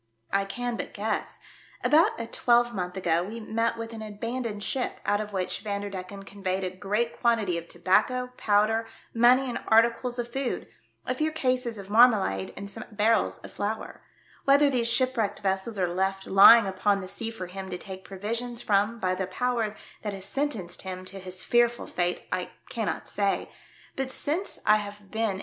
" I can but guess. About a twelvemonth ago we met with an abandoned ship, out of which Vanderdecken conveyed a great quantity of tobacco, powder, money and articles of food, a few cases of marmalade and some barrels of flour. Whether these shipwrecked vessels are left lying upon the sea for him to take provisions from by the Power that has sentenced him to his fearful fate I cannot say, but since I have been in I TALK WITH MISS IMOGENE DUDLEY.